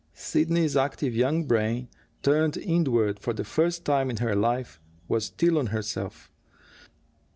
Sidney's active young brain, turned inward for the first time in her life, was still on herself.